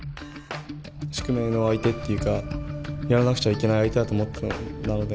宿命の相手っていうかやらなくちゃいけない相手だと思っていたので。